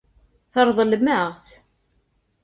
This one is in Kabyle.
Tṛeḍlem-aɣ-t.